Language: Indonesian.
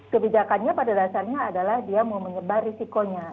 kebijakannya pada dasarnya adalah dia mau menyebar risikonya